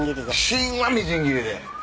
芯はみじん切りで。